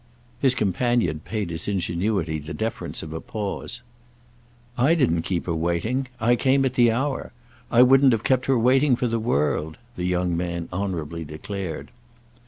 His companion paid his ingenuity the deference of a pause. "I didn't keep her waiting. I came at the hour. I wouldn't have kept her waiting for the world," the young man honourably declared.